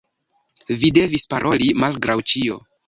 Vi devis paroli malgraŭ ĉio.